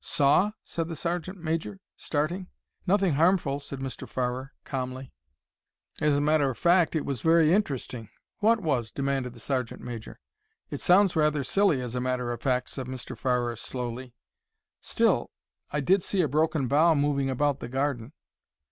"Saw?" said the sergeant major, starting. "Nothing harmful," said Mr. Farrer, calmly. "As a matter of fact, it was very interesting." "What was?" demanded the sergeant major. "It sounds rather silly, as a matter of fact," said Mr. Farrer, slowly. "Still, I did see a broken bough moving about the garden."